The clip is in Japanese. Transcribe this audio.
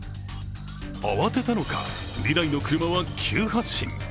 慌てたのか、２台の車は急発進。